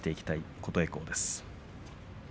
琴恵光です。